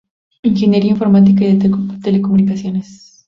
Ingeniería Informática y de Telecomunicaciones.